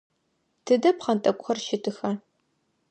Тыдэ пхъэнтӏэкӏухэр щытыха?